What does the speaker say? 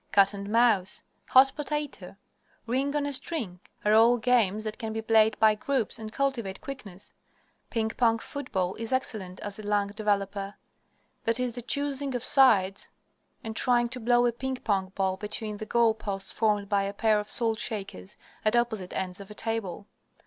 Cat and Mouse, Hot Potato, Ring on a String, are all games that can be played by groups and cultivate quickness. Ping Pong Football is excellent as a lung developer. That is the choosing of sides and trying to blow a ping pong ball between the goal posts formed by a pair of salt shakers at opposite ends of a table.